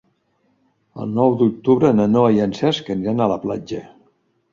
El nou d'octubre na Noa i en Cesc aniran a la platja.